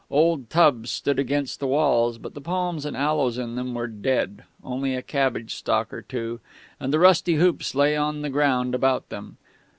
Old tubs stood against the walls, but the palms and aloes in them were dead only a cabbage stalk or two and the rusty hoops lay on the ground about them.